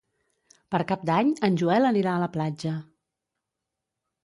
Per Cap d'Any en Joel anirà a la platja.